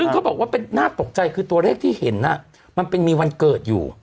ซึ่งเขาบอกว่าน่าตกใจคือตัวเลขที่เห็นมันเป็นมีวันเกิดอยู่